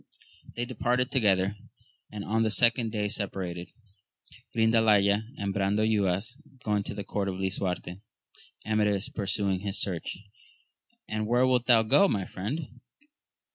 They departed together, and on the second day separated, Grindalaya and Brandoyuas going to the court of Lisuarte ; Amadis pursuing his search. And where wilt thou go, my friend